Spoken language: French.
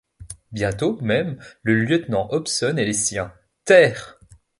Bientôt même, le lieutenant Hobson et les siens « Terre!